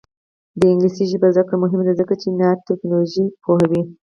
د انګلیسي ژبې زده کړه مهمه ده ځکه چې نانوټیکنالوژي پوهوي.